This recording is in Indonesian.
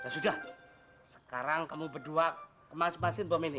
sudah sekarang kamu berdua kemasin kemasin bom ini